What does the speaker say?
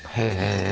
へえ。